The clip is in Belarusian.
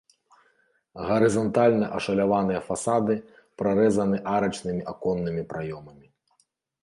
Гарызантальна ашаляваныя фасады прарэзаны арачнымі аконнымі праёмамі.